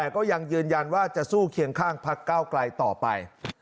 ก็ยังยืนยันว่าจะสู้เคียงข้างพักเก้าไกลต่อไป